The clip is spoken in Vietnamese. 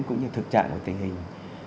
cũng như thực trạng của tình hình